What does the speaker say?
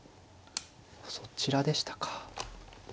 そちらでしたか。